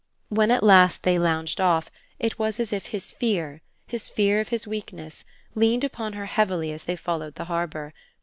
When at last they lounged off it was as if his fear, his fear of his weakness, leaned upon her heavily as they followed the harbour.